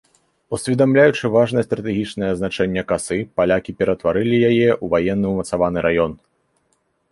Усведамляючы важнае стратэгічнае значэнне касы, палякі ператварылі яе ў ваенны умацаваны раён.